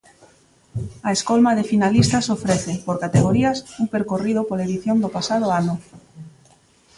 A escolma de finalistas ofrece, por categorías, un percorrido pola edición do pasado ano.